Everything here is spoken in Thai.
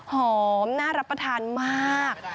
น่ารับประทานมาก